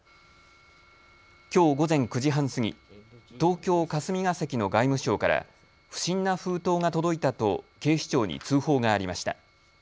きょう午前９時半過ぎ東京霞が関の外務省から不審な封筒が届いたと警視庁に通報がありました。